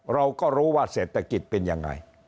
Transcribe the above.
เราก็รู้ว่าเศรษฐกิจเป็นยังไง